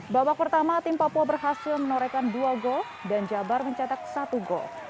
babak pertama tim papua berhasil menorekan dua gol dan jabar mencetak satu gol